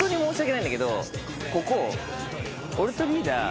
ここ。